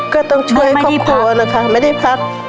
ก็ต้องช่วยครอบครัวนะคะไม่ได้พัก